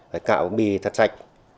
phải cạo bì thật sạch